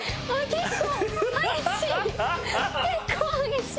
結構激しい。